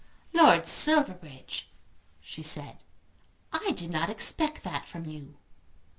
"Lord Silverbridge," she said, "I did not expect that from you."